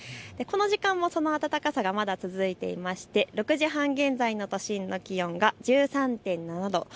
この時間もその暖かさがまだ続いていまして６時半現在の都心の気温が１３．７度。